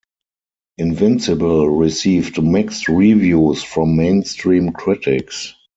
"Invincible" received mixed reviews from mainstream critics.